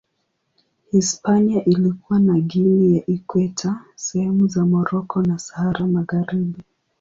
Hispania ilikuwa na Guinea ya Ikweta, sehemu za Moroko na Sahara Magharibi.